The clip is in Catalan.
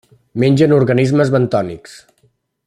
Mengen organismes bentònics.